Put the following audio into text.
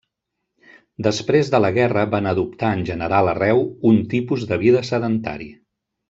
Després de la guerra van adoptar en general arreu un tipus de vida sedentari.